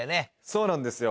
そうなんですよ